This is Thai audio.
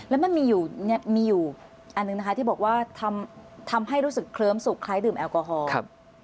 แล้วมันมีอยู่อันหนึ่งนะคะที่บอกว่าทำให้รู้สึกเคลิ้มสุขคล้ายดื่มแอลกอฮอล์